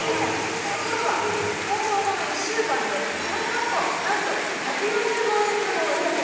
ところが放送後の１週間で７００個なんと１４０万円分を売り上げ。